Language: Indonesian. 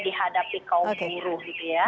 dihadapi kaum buruh